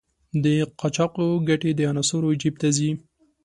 د قاچاقو ګټې د عناصرو جېب ته ځي.